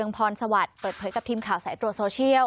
พรสวัสดิ์เปิดเผยกับทีมข่าวสายตรวจโซเชียล